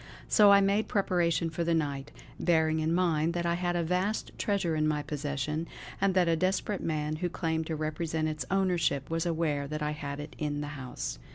So I made preparation for the night, bearing in mind that I had a vast treasure in my possession, and that a desperate man who claimed to represent its ownership was aware that I had it in the house.